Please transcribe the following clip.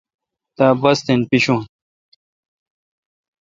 تا باستھین پیشو۔